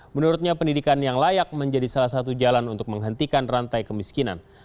menurutnya pendidikan yang layak menjadi salah satu jalan untuk menghentikan rantai kemiskinan